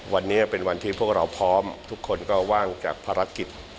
วันนี้เป็นวันที่พวกเราพร้อมทุกคนก็ว่างจากภารกิจ